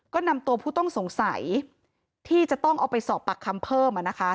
ก็นำตัวผู้ต้องสงสัยที่จะต้องเอาไปสอบปากคำเพิ่ม